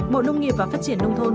bộ nông nghiệp và phát triển nông thôn